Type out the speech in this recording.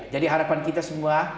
jadi harapan kita semua